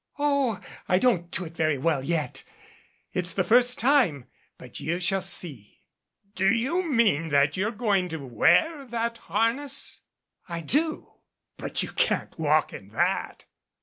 "Oh, I don't do it very well yet. It's the first time but you shall see " "Do you mean that you're going to wear that har ness ?" "I do." "But you can't walk in that."